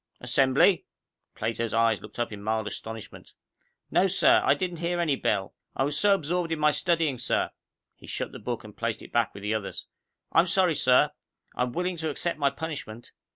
"Assembly?" Plato's eyes looked up in mild astonishment. "No, sir, I didn't hear any bell. I was so absorbed in my studying, sir " He shut the book and placed it back with the others. "I'm sorry, sir. I'm willing to accept my punishment."